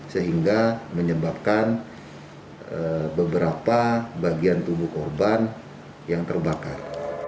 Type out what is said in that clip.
sehingga menyebabkan beberapa bagian tubuh korban yang terbakar